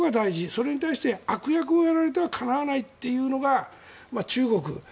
それに対して悪役をやられてはかなわないというのが中国。